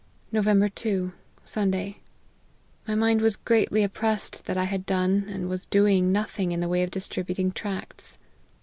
" Nov. 2. Sunday. My mind was greatly op pressed, that I had done, and was doing nothing in the way of distributing tracts.